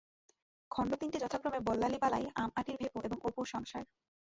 খণ্ড তিনটি যথাক্রমে বল্লালী বালাই, আম-আঁটির ভেঁপু এবং অপুর সংসার।